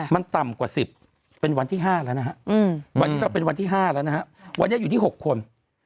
มันต่ำกว่า๑๐เป็นวันที่๕แล้วนะครับวันนี้อยู่ที่๖คน